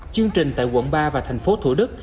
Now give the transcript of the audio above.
chương trình tại quận ba và thành phố thủ đức